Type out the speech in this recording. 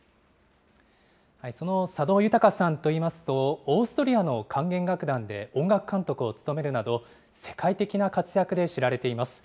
その佐渡裕さんといいますと、オーストリアの管弦楽団で音楽監督を務めるなど、世界的な活躍で知られています。